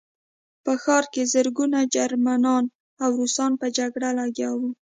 په ښار کې زرګونه جرمنان او روسان په جګړه لګیا وو